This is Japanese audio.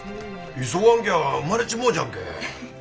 急がんきゃ生まれちもうじゃんけ。